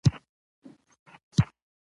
هغه مافیا په خپل کار کې پیاوړې شوې ده.